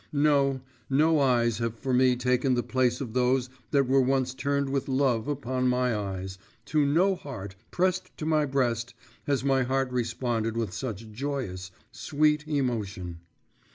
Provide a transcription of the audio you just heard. No! no eyes have for me taken the place of those that were once turned with love upon my eyes, to no heart, pressed to my breast, has my heart responded with such joyous sweet emotion!